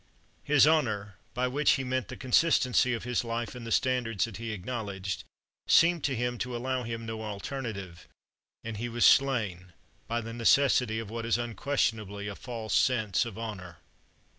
His honor, by which he meant the consistency of his life and the standards that he acknowledged, seemed to him to allow him no alternative, and he was slain by the necessity of what is unquestionably a false sense of honor.